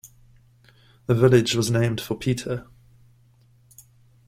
The village was named for Peter.